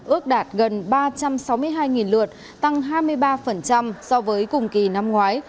ước đạt gần ba trăm sáu mươi hai lượt tăng hai mươi ba so với cùng kỳ năm ngoái